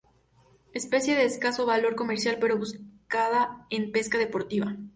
Especie de escaso valor comercial pero buscada en pesca deportiva.